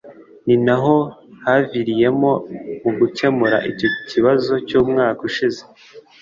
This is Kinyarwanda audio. ni naho haviriyemo mu gukemura icyo kibzo cy’umwaka ushize